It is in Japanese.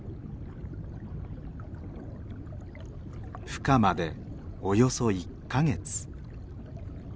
ふ化までおよそ１か月。